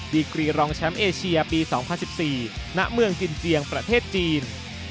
ดีกรีรองแชมป์เอเชียปี๒๐๑๔ณเมืองจินเจียงประเทศจีน